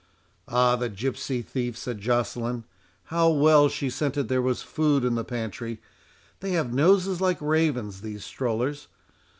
"Ah, the gipsy thief," said Joceline, "how well she scented there was food in the pantry!—they have noses like ravens, these strollers.